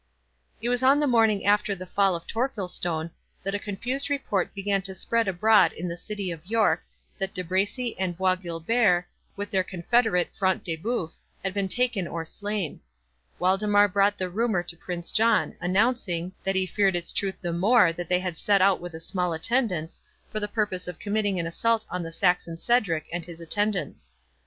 It was on the morning after the fall of Torquilstone, that a confused report began to spread abroad in the city of York, that De Bracy and Bois Guilbert, with their confederate Front de Bœuf, had been taken or slain. Waldemar brought the rumour to Prince John, announcing, that he feared its truth the more that they had set out with a small attendance, for the purpose of committing an assault on the Saxon Cedric and his attendants.